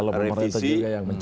kalau pemerintah juga yang mencoba